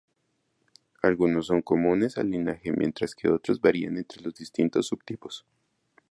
Algunos son comunes al linaje mientras que otros varían entre los distintos subtipos.